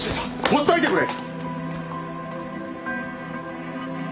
放っといてくれ！